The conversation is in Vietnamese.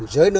ở dưới nữa